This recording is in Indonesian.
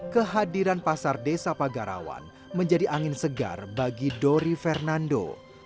kehadiran pasar desa pagarawan menjadi angin segar bagi dori fernando